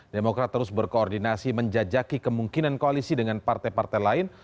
demokrat terus berkoordinasi menjajaki kemungkinan koalisi dengan partai partai lain